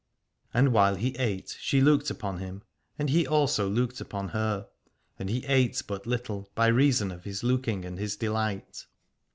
And while he ate she looked upon him, and he also looked upon her : and he ate but little by reason of his looking and his delight.